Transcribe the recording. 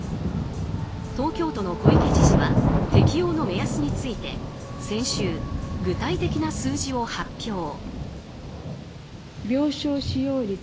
東京都の小池知事は適用の目安について先週、具体的な数字を発表。